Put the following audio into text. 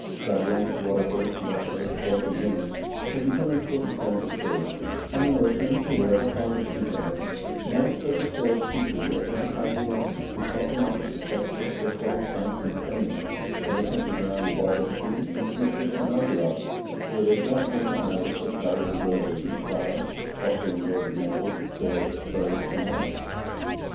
Dublin, Waterford, Wexford, Cork, and Limerick had become important centers of trade, and the Norsemen, who were ever fond of seafaring, now spread their sails chiefly as enterprising merchants who sought the markets of Chester, Bristol, France, and Spain, of the countries around the Baltic Sea, and even of distant Novgorod, whence they brought home to Ireland such valuable goods as wheat flour, costly embroidered mantles, swords, furs, and wine.